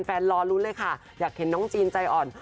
รอลุ้นเลยค่ะอยากเห็นน้องจีนใจอ่อน